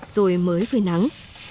rồi mới phơi nắng